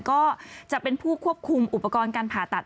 ก็จะเป็นผู้ควบคุมอุปกรณ์การผ่าตัด